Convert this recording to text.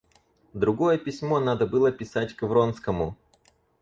Другое письмо надо было писать к Вронскому.